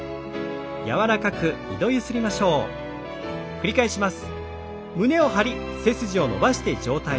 繰り返します。